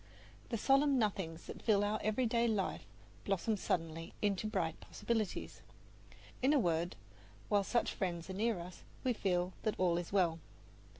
The solemn nothings that fill our everyday life blossom suddenly into bright possibilities. In a word, while such friends are near us we feel that all is well.